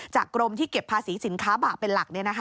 กรมที่เก็บภาษีสินค้าบาปเป็นหลัก